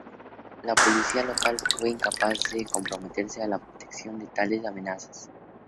La policía local fue incapaz de comprometerse a la protección de tales amenazas.